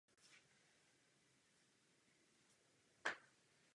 Protest byl uznán a Japonsko se posunulo na druhé místo.